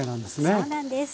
そうなんです。